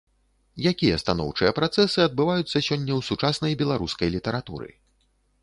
Якія станоўчыя працэсы адбываюцца сёння ў сучаснай беларускай літаратуры?